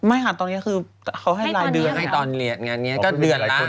อาหารที่โรงเรียนก็เดือนละ๘๐๐๐บาทแล้ว